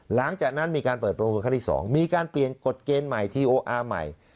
หลังจากนั้นมีการเปิดโปรโมครั้งที่๒มีการเปลี่ยนกฎเกณฑ์ใหม่ทีโออาร์ใหม่